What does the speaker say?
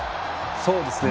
そうですね。